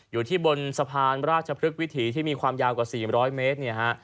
อยู่ที่บนสะพานราชพฤกษวิถีที่มีความยาวกว่า๔๐๐เมตรเนี่ยฮะ